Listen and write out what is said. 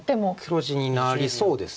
黒地になりそうです。